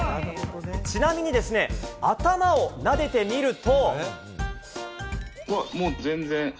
ちなみにですね、頭をなでてみると。